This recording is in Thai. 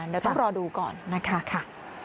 เดี๋ยวต้องรอดูก่อนนะคะ